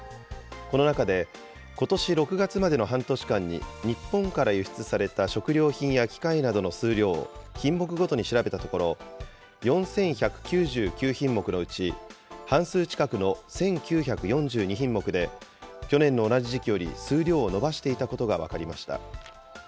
この中で、ことし６月までの半年間に日本から輸出された食料品や機械などの数量を品目ごとに調べたところ、４１９９品目のうち、半数近くの１９４２品目で去年の同じ時期より数量を伸ばしていたことが分かりました。